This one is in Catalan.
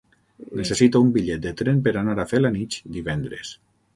Necessito un bitllet de tren per anar a Felanitx divendres.